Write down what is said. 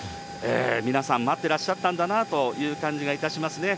皆さん、待ってらっしゃったんだなという感じがいたしますね。